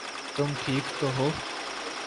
تم ٹھیک تو ہو؟